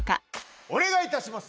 お願いいたします！